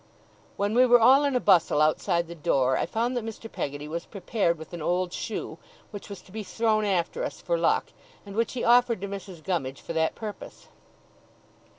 When we were all in a bustle outside the door, I found that Mr. Peggotty was prepared with an old shoe, which was to be thrown after us for luck, and which he offered to Mrs. Gummidge for that purpose.